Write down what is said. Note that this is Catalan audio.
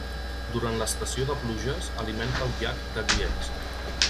Durant l'estació de pluges alimenta el llac de Guiers.